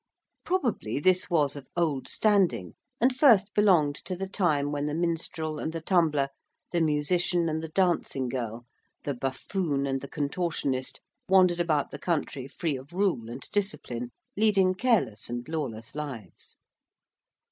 Probably this was of old standing, and first belonged to the time when the minstrel and the tumbler, the musician and the dancing girl, the buffoon and the contortionist, wandered about the country free of rule and discipline, leading careless and lawless lives.